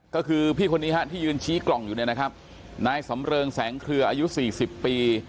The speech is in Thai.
ก็คือพี่คนนี้ฮะที่ยืนชี้กล่องอยู่เนี่ยนะครับนายสำเริงแสงเคลืออายุ๔๐ปี